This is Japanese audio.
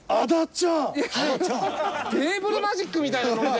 テーブルマジックみたいなノリで。